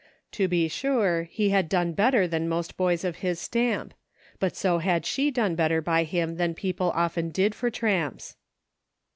To be sure, he had done better than most boys of his stamp ; but so had she done better by him than people often did for tramps.